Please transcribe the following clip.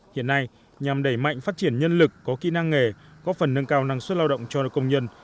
hiện nay nhằm đẩy mạnh phát triển nhân lực có kỹ năng nghề góp phần nâng cao năng suất lao động cho công nhân